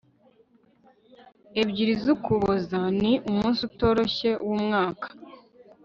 ebyiri z'ukuboza ni umunsi utoroshye wumwaka